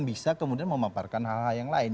bisa kemudian memaparkan hal hal yang lain